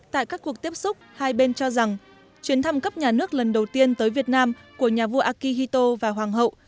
tại các cuộc tiếp xúc hai bên cho rằng chuyến thăm cấp nhà nước lần đầu tiên tới việt nam của nhà vua akihito và hoàng hậu